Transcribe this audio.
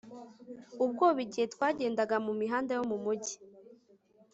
ubwoba igihe twagendaga mu mihanda yo mu mugi